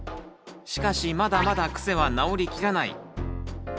しかしまだまだクセは直りきらない。